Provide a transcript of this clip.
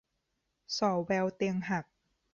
ส่อแววเตียงหัก